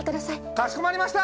かしこまりました！